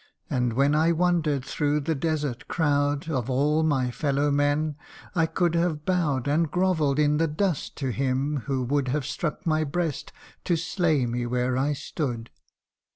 And when I wander'd through the desert crowd Of all my fellow men, I could have bow'd And grovelPd in the dust to him who would Have struck my breast, to slay me where I stood.